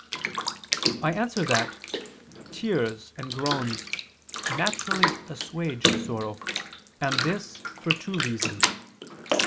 I answer that, Tears and groans naturally assuage sorrow: and this for two reasons.